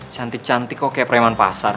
cantik cantik kok kayak preman pasar